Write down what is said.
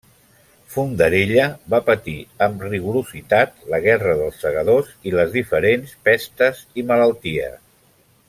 Fondarella va patir amb rigorositat la Guerra dels Segadors i les diferents pestes i malalties.